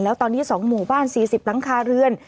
แล้วตอนนี้๒หมู่บ้าน๔๐หลังคาเรือน